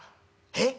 「えっ？